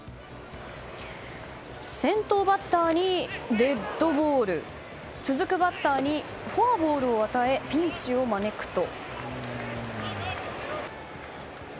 先頭バッターにデッドボール続くバッターにフォアボールを与えピンチを招くと。